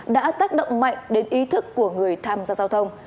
đã tác động mạnh đến ý thức của người tham gia giao thông